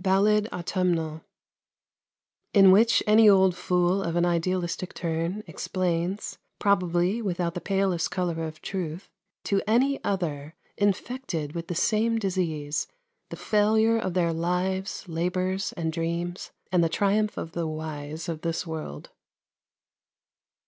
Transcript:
BALLAD AUTUMNAL (In which Any Old Fool of an idealistic turn, explains probably without the palest colour of truth to Any Other, infected with the same disease, the failure of their lives, labours, and dreams, and the triumph of the wise of this world.)